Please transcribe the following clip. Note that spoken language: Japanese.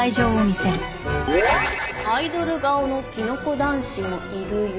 「アイドル顔のキノコ男子もいるよ」